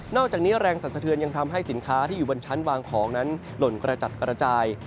อกจากนี้แรงสรรสะเทือนยังทำให้สินค้าที่อยู่บนชั้นวางของนั้นหล่นกระจัดกระจาย